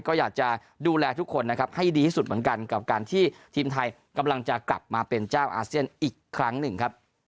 ก็อยากจะดูแลทุกคนนะครับให้ดีที่สุดเหมือนกันกับการที่ทีมไทยกำลังจะกลับมาเป็นเจ้าอาเซียนอีกครั้งหนึ่งครับ